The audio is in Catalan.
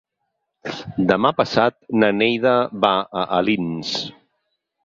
Demà passat na Neida va a Alins.